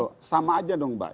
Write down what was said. oh sama aja dong mbak